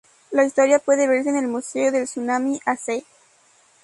La historia puede verse en el Museo del tsunami de Aceh.